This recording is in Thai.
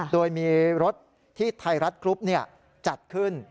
โดยมีรถที่ไทยรัฐกรุ๊ปจัดขึ้น